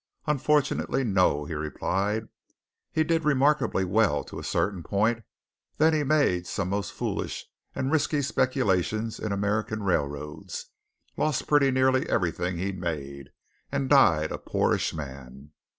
"Unfortunately, no!" he replied. "He did remarkably well to a certain point then he made some most foolish and risky speculations in American railroads, lost pretty nearly everything he'd made, and died a poorish man."